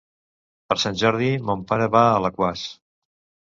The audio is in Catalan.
Per Sant Jordi mon pare va a Alaquàs.